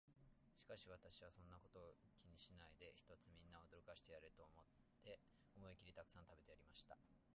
しかし私は、そんなことは気にしないで、ひとつみんなを驚かしてやれと思って、思いきりたくさん食べてやりました。